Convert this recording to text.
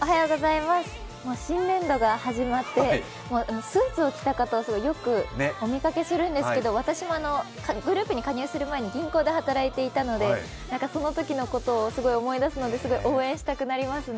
新年度が始まって、スーツを着た方をよくお見かけするんですけど私も、グループに加入する前に銀行で働いていたのでそのときのことを思い出すのですごい応援したくなりますね。